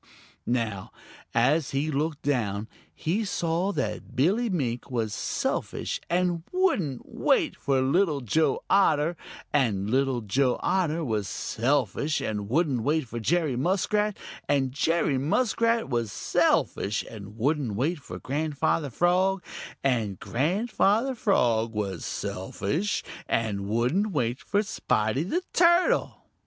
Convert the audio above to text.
Now, as he looked down, he saw that Billy Mink was selfish and wouldn't wait for Little Joe Otter, and Little Joe Otter was selfish and wouldn't wait for Jerry Muskrat, and Jerry Muskrat was selfish and wouldn't wait for Grandfather Frog, and Grandfather Frog was selfish and wouldn't wait for Spotty the Turtle.